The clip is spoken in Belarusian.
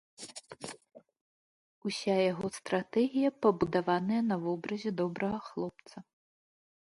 Уся яго стратэгія пабудаваная на вобразе добрага хлопца.